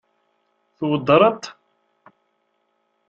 Tweddṛeḍ-t?